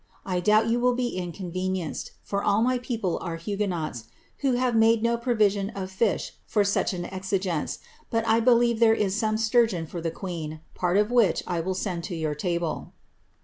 I doubt you will be incon renienced, for all ray people are huguenots, who have made no provi lion of fish for such an exigence, but 1 believe there is some sturgeon for the queen, part of which I will send to your table.'